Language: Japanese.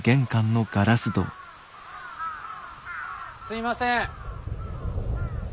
すいません。